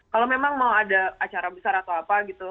kalau memang mau ada acara besar atau apa gitu